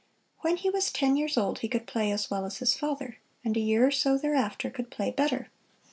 When he was ten years old he could play as well as his father, and a year or so thereafter could play better.